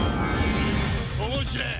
面白え。